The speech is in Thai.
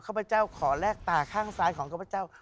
พเจ้าขอแลกตาข้างซ้ายของข้าพเจ้า